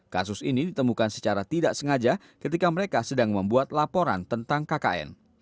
kasus ini ditemukan secara tidak sengaja ketika mereka sedang membuat laporan tentang kkn